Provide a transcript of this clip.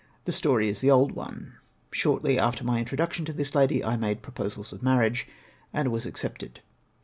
The story is the old one. Shortly after my introduction to this lady I made proposals of marriage, and was accepted.